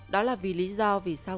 đó là vì lý do vì sao